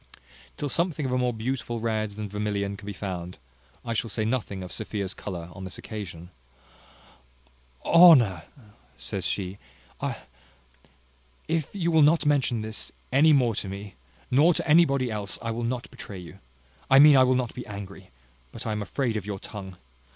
Till something of a more beautiful red than vermilion be found out, I shall say nothing of Sophia's colour on this occasion. "Ho nour," says she, "I if you will not mention this any more to me nor to anybody else, I will not betray you I mean, I will not be angry; but I am afraid of your tongue.